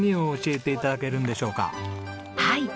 はい。